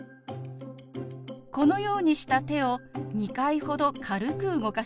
このようにした手を２回ほど軽く動かします。